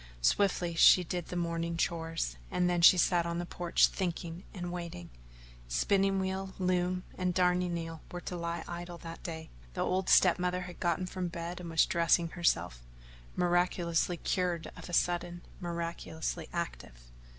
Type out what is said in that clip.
Swiftly she did the morning chores and then she sat on the porch thinking and waiting. Spinning wheel, loom, and darning needle were to lie idle that day. The old step mother had gotten from bed and was dressing herself miraculously cured of a sudden, miraculously active.